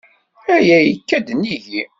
Aya yekka-d nnig-i.